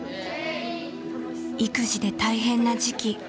育児で大変な時期。